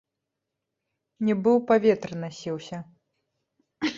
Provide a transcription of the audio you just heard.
Нібы ў паветры насіўся.